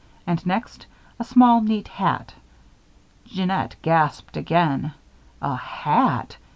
And next, a small, neat hat. Jeannette gasped again. A hat!